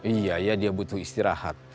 iya dia butuh istirahat